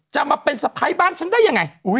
จะมาเป็นสะพ้ายบ้านฉันได้ยังไง